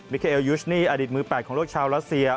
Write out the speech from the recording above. เคเอลยูชนี่อดีตมือ๘ของโลกชาวรัสเซีย